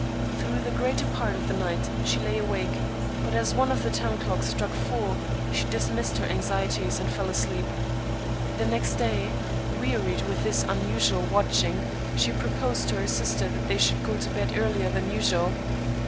Through the greater part of the night she lay awake ; but as one of the town clocks struck four, she dismissed her anxieties, and fell asleep. The next day, wearied with this unusual watching, she proposed to her sister that they should go to bed earlier than usual.